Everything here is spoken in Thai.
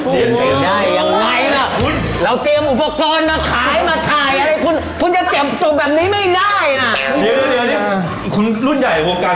เดินตัดเข้ากล้องมาอันนี้นะครับ